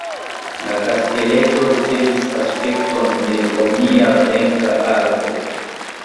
La kasteleto ricevis aspekton de romia venka arko.